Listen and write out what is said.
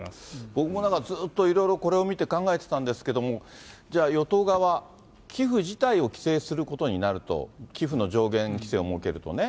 僕もこう、ずっとこれを見て考えてたんですけれども、じゃあ、与党側、寄付自体を規制することになると、寄付の上限規制を設けるとね。